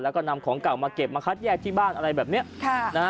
แล้วก็นำของเก่ามาเก็บมาคัดแยกที่บ้านอะไรแบบเนี้ยค่ะนะฮะ